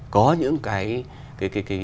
có những cái